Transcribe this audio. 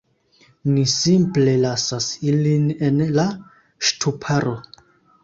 Ni simple lasas ilin en la ŝtuparo